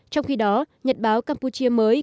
trong khi đó nhật báo campuchia mới